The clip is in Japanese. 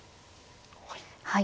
はい。